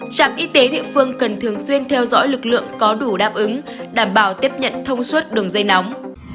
trạm y tế địa phương cần thường xuyên theo dõi lực lượng có đủ đáp ứng đảm bảo tiếp nhận thông suất đường dây nóng